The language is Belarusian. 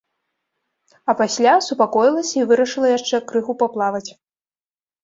А пасля супакоілася і вырашыла яшчэ крыху паплаваць.